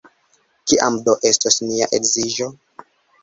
Kiam do estos nia edziĝo?